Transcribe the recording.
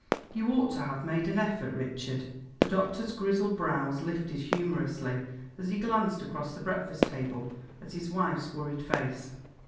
"You ought to have made an effort, Richard." The doctor's grizzled brows lifted humorously as he glanced across the breakfast table at his wife's worried face.